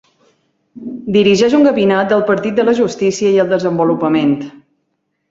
Dirigeix un gabinet del Partit de la Justícia i el Desenvolupament.